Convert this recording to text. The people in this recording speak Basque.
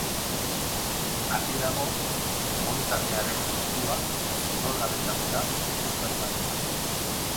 Argi dago inpunitatearen kontua, zigorgabetasuna, funtsezkoa izan dela.